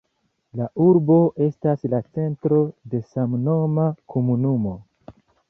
La urbo estas la centro de samnoma komunumo.